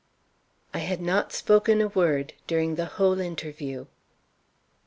I had not spoken a word during the whole interview.